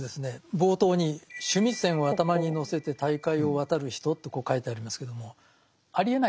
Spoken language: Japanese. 冒頭に「須弥山を頭に載せて大海を渡る人」とこう書いてありますけどもありえないですよね。